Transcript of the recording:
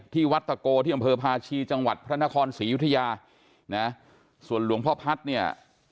วัดตะโกที่อำเภอพาชีจังหวัดพระนครศรียุธยานะส่วนหลวงพ่อพัฒน์เนี่ย